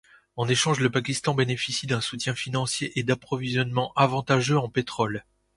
En échange, le Pakistan bénéficie d'un soutien financier et d'approvisionnements avantageux en pétrole.